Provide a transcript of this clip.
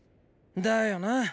だよな。